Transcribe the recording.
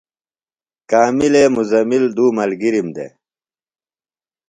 کاملے مُزمل دُو ملگِرم دےۡ۔